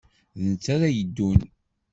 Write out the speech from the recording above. D netta ara yeddun.